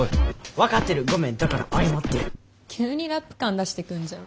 分かってるごめんだから謝ってる急にラップ感出してくんじゃん。